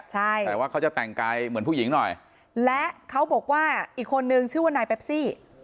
แต่ว่าเขาจะแต่งกายเหมือนผู้หญิงหน่อยและเขาบอกว่าอีกคนนึงชื่อว่านายแปปซี่